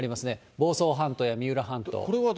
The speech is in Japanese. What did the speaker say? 房総半島や三浦半島。